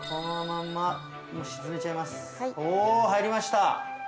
お入りました！